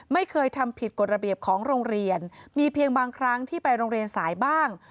ไม่เคยทำผิดกฎระเบียบของโรงเรียนมีเพียงบางครั้งที่ไปโรงเรียนสายบ้าง